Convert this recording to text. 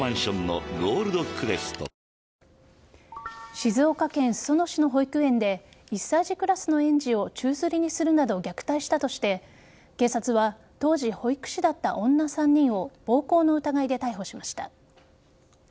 静岡県裾野市の保育園で１歳児クラスの園児を宙づりにするなど虐待したとして警察は当時、保育士だった女３人を暴行の疑いで逮捕しました。